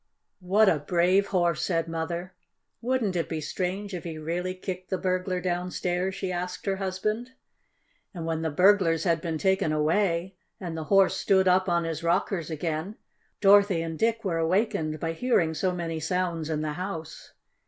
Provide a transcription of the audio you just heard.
"What a brave Horse!" said Mother. "Wouldn't it be strange if he really kicked the burglar downstairs?" she asked her husband. And when the burglars had been taken away, and the Horse stood up on his rockers again, Dorothy and Dick were awakened by hearing so many sounds in the house.